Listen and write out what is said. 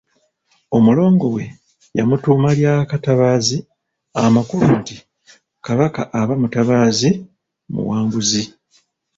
Omulongo we yamutuuma lya Katabaazi amakulu nti Kabaka aba mutabaazi muwanguzi.